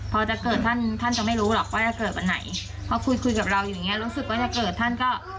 พอจะเกิดท่านท่านจะไม่รู้หรอกว่าจะเกิดวันไหน